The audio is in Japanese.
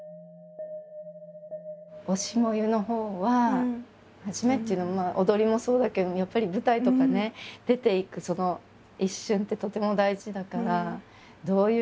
「推し、燃ゆ」のほうは初めっていうのは踊りもそうだけどやっぱり舞台とかね出ていくその一瞬ってとても大事だからどういう。